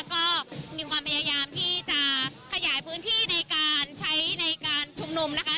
ก็มีความพยายามที่จะขยายพื้นที่ในการใช้ในการชุมนุมนะคะ